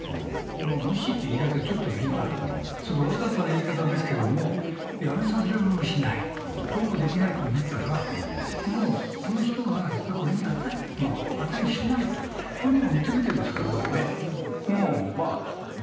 無視って言い方ちょっとね、今、ちょっとおおざっぱな言い方ですけれども、辞めさせられもしない、どうもできないとなったら、もうこの人はこれに値しないと、本人も認めてるんですから、これね。